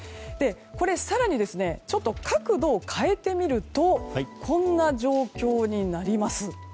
更に、角度を変えてみるとこんな状況になります。